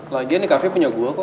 lagian ini cafe punya gue kok